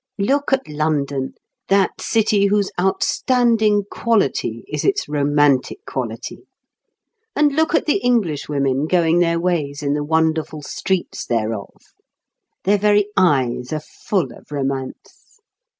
Look at London, that city whose outstanding quality is its romantic quality; and look at the Englishwomen going their ways in the wonderful streets thereof! Their very eyes are full of romance.